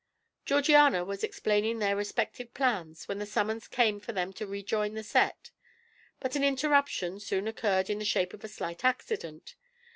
Georgiana was explaining their respective plans when the summons came for them to rejoin the set; but an interruption soon occurred in the shape of a slight accident.